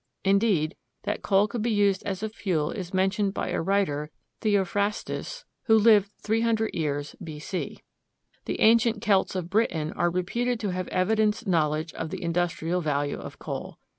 Indeed, that coal could be used as a fuel is mentioned by a writer, Theophrastus, who lived 300 years B. C. The ancient Celts of Britain are reputed to have evidenced knowledge of the industrial value of coal.